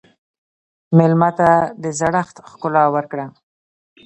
مېلمه ته د زړښت ښکلا ورکړه.